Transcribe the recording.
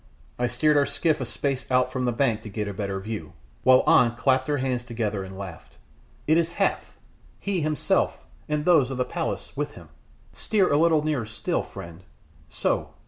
I steered our skiff a space out from the bank to get a better view, while An clapped her hands together and laughed. "It is Hath he himself and those of the palace with him. Steer a little nearer still, friend so!